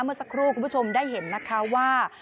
เมื่อสักครู่คุณผู้ชมได้เห็นนะคะว่า